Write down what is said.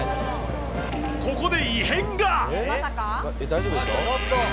ここで異変が。